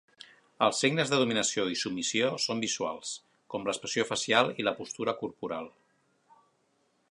Els signes de dominació i submissió són visuals, com l'expressió facial i la postura corporal.